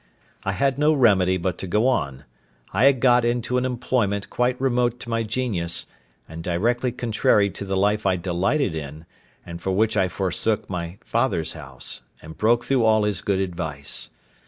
I had no remedy but to go on: I had got into an employment quite remote to my genius, and directly contrary to the life I delighted in, and for which I forsook my father's house, and broke through all his good advice.